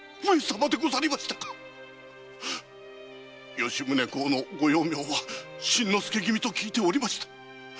吉宗公のご幼名は新之助君と聞いておりました。